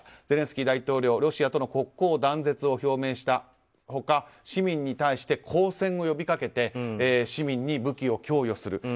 ゼレンスキー大統領ロシアとの国交断絶を表明した他市民に対して抗戦を呼びかけて市民に武器を供与する